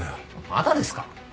まだですか？